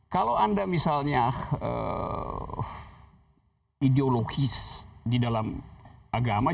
kalau anda misalnya ideologis di dalam agama